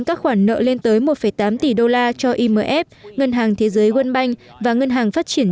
các khoản nợ lên tới một tám tỷ đô la cho imf ngân hàng thế giới world bank và ngân hàng phát triển